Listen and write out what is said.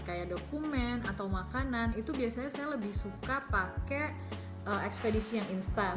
kayak dokumen atau makanan itu biasanya saya lebih suka pakai ekspedisi yang instan